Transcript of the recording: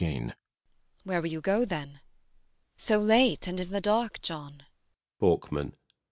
ELLA RENTHEIM. Where will you go then? So late, and in the dark, John? BORKMAN.